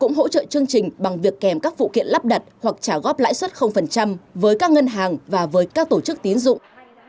cũng hỗ trợ chương trình bằng việc kèm các phụ kiện lắp đặt hoặc trả góp lãi suất với các ngân hàng và với các tổ chức tiến dụng